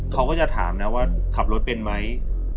เขาก็จะถามนะว่าขับรถเป็นไหม